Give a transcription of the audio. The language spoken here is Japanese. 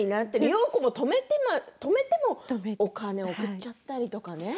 良子が止めてもお金を送っちゃったりとかね。